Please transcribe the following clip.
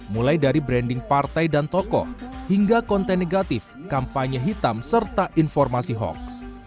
mulai dari branding partai dan tokoh hingga konten negatif kampanye hitam serta informasi hoax